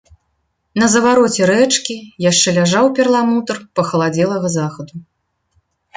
На завароце рэчкі яшчэ ляжаў перламутр пахаладзелага захаду.